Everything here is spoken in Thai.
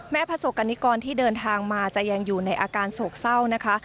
ประสบกรณิกรที่เดินทางมาจะยังอยู่ในอาการโศกเศร้านะคะ